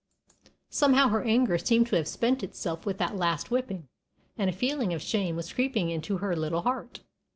Somehow her anger seemed to have spent itself with that last whipping, and a feeling of shame was creeping into her little heart.